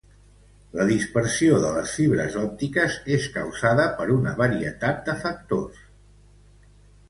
La dispersió de les fibres òptiques és causada per una varietat de factors.